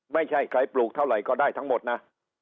ไม่ใช่ใครปลูกเท่าไหร่ก็ได้ทั้งหมดนะ